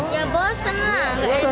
ya bosan lah nggak enak